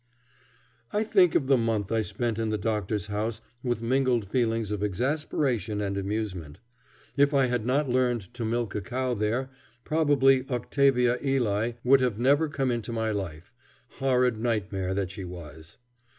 I think of the month I spent in the doctor's house with mingled feelings of exasperation and amusement. If I had not learned to milk a cow there, probably Octavia Ely would never have come into my life, horrid nightmare that she was.